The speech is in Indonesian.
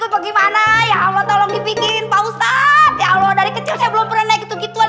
itu bagaimana ya allah tolong dipikirin pausa ya allah dari kecil saya belum pernah gitu gituan